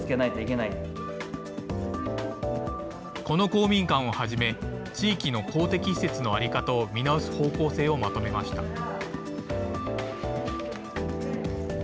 この公民館をはじめ、地域の公的施設の在り方を見直す方向性をまとめました。